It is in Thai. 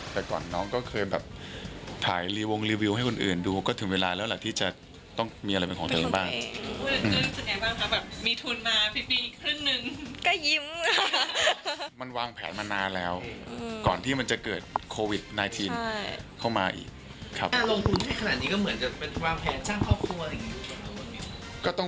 ทั้งนี้ทั้งนั้นก็ต้องสร้างพื้นฐานตรงนี้ให้มันแน่นก่อน